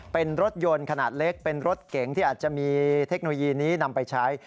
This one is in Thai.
เป็นรถยนต์ขนาดเล็กเป็นรถเก๋งที่อาจจะมีเทคโนโลยีนี้นำไปใช้